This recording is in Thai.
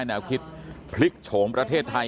การสอบส่วนแล้วนะ